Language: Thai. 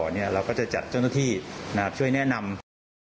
เราก็จะจัดเจ้าหน้าที่ช่วยแนะนำนะครับ